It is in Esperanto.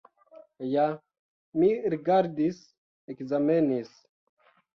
Ja mi rigardis, ekzamenis!